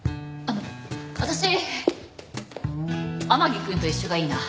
あの私天樹くんと一緒がいいな。